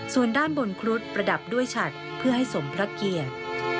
ส่วนด้านบนครุฑประดับด้วยฉัดเพื่อให้สมพระเกียรติ